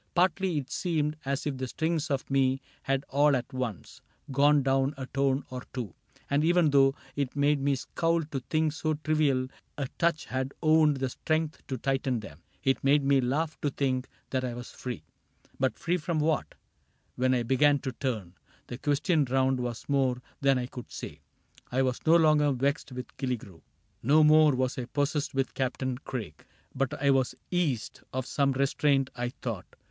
Partly it seemed As if the strings pf me had all at once Gone down a tone or two ; and even though It made me scowl to think so trivial A touch had owned the strength to tighten them, It made me laugh to think that I was free. But free from what — when I began to turn The question round — was more than I could say : I was no longer vexed with Killigrew, Nor more was I possessed with Captain Craig ; 1 8 CAPTAIN CRAIG But I was eased of some restraint, I thought.